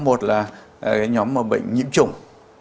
một là cái nhóm bệnh nhiễm trùng